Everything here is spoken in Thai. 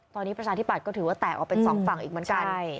ตอนนี้ประชาธิบัตย์ก็ถือว่าแตกออกเป็นสองฝั่งอีกเหมือนกัน